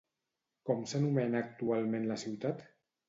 Com s'anomena actualment la ciutat?